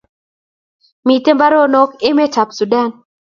Miten mbaronok emet ab sudan